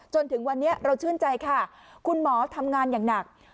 จนถึงวันนี้เราชื่นใจค่ะคุณหมอทำงานอย่างหนัก